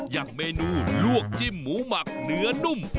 อย่างเมนูลวกจิ้มหมูหมักเนื้อนุ่ม